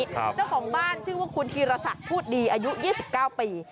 เจ้าของบ้านชื่อว่าคุณธีรศักดิ์พูดดีอายุ๒๙ปี